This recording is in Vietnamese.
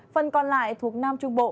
phần còn lại thuộc nam trung bộ